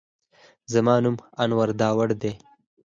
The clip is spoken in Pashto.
زما نوم انور داوړ دی